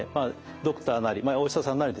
ドクターなりお医者さんなりですね